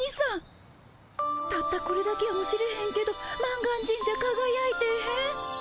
たったこれだけやもしれへんけど満願神社かがやいてへん？